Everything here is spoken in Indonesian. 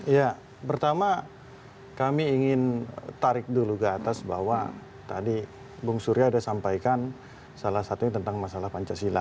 ya pertama kami ingin tarik dulu ke atas bahwa tadi bung surya sudah sampaikan salah satunya tentang masalah pancasila